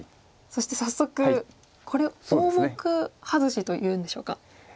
そして早速これ大目外しというんでしょうか。